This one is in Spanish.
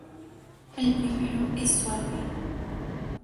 El primero es suave.